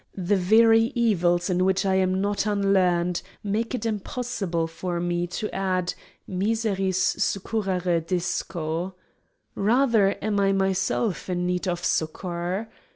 the very evils in which I am not unlearned, make it impossible for me to add miseris succurrere disco! Rather am I myself in need of succour.